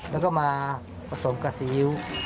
แล้วก็มาผสมกับสียู